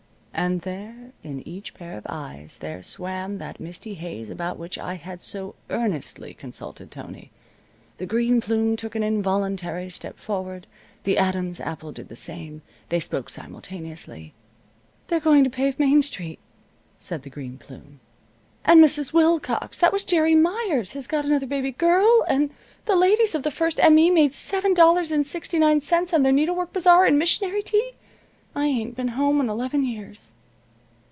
And there, in each pair of eyes there swam that misty haze about which I had so earnestly consulted Tony. The Green Plume took an involuntary step forward. The Adam's Apple did the same. They spoke simultaneously. "They're going to pave Main Street," said the Green Plume, "and Mrs. Wilcox, that was Jeri Meyers, has got another baby girl, and the ladies of the First M. E. made seven dollars and sixty nine cents on their needle work bazaar and missionary tea. I ain't been home in eleven years."